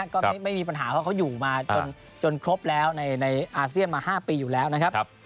ก็ไม่มีปัญหาเพราะเขาอยู่มาจนครบแล้วในอาเซียนมา๕ปีอยู่แล้วนะครับ